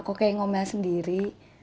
kok kayak ngomel sendiri